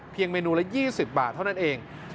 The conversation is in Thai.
เมนูละ๒๐บาทเท่านั้นเอง